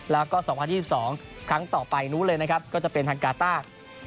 แล้วก็๒๐๒๒ครั้งต่อไปนู้นเลยนะครับก็จะเป็นทางกาต้า